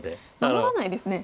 守らないですね。